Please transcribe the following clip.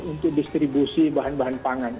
untuk distribusi bahan bahan pangan